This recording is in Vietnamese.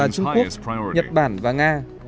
trung quốc nhật bản và nga